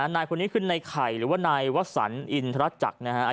นายคนนี้คือในไข่หรือว่านายวัสสันอินทรัฐจักรอายุ๔๓ปี